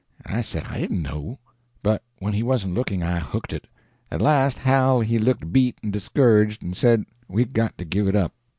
I said I didn't know; but when he wasn't looking I hooked it. At last Hal he looked beat and discouraged, and said we'd got to give it up.